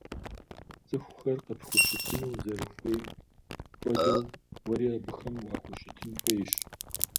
Цӏыхухэр къыпхущытыну узэрыхуейм хуэдэу, уэри абыхэм уахущытын хуейщ.